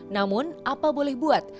namun apa boleh buat